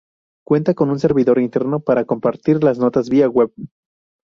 Cuenta con un servidor interno para compartir las notas vía web.